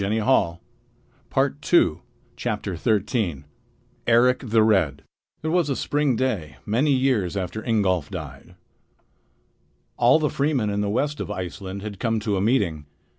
Eric the Red It was a spring day many years after Ingolf died. All the freemen in the west of Iceland had come to a meeting.